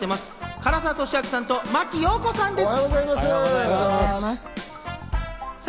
唐沢寿明さんと真木よう子さんです。